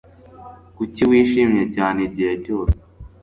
Kuki wishimye cyane igihe cyose